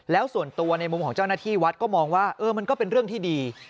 แล้วส่วนตัวในมุมของเจ้าหน้าที่วัดก็มองว่ามันก็เป็นเรื่องที่ดี